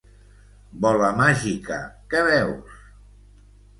“Bola màgica, què veus?